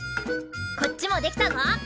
こっちもできたぞ。